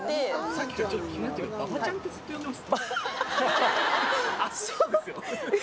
さっきからちょっと気になってたんですけど、馬場ちゃんって呼んでます？